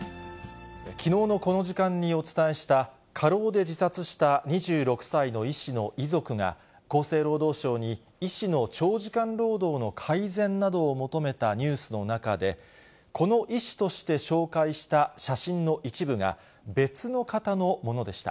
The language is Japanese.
きのうのこの時間にお伝えした過労で自殺した２６歳の医師の遺族が、厚生労働省に医師の長時間労働の改善などを求めたニュースの中で、この医師として紹介した写真の一部が、別の方のものでした。